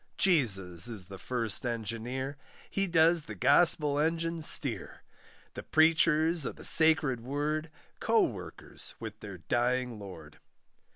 Jesus is the first engineer, He does the gospel engine steer; The preachers of the sacred Word, Co workers with their dying Lord.